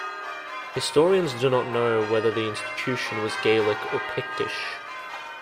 Historians do not know whether the institution was Gaelic or Pictish.